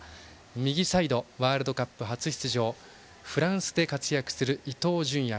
右サイド、ワールドカップ初出場フランスで活躍する伊東純也